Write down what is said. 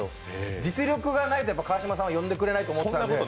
実力ないと川島さんは呼んでくれないと思ってたんで。